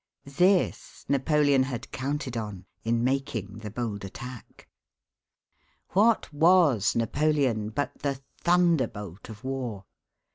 This Napoleon had counted on in making the bold attack. What was Napoleon but the thunderbolt of war?